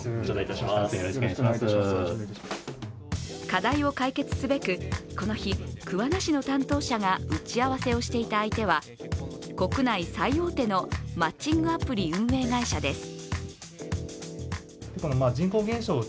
課題を解決すべく、この日、桑名市の担当者が打ち合わせをしていた相手は国内最大手のマッチングアプリ運営会社です。